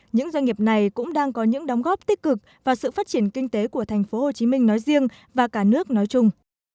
những doanh nghiệp này cũng đang có những đóng góp tích cực và sự phát triển kinh tế của tp hcm nói riêng và cả nước nói chung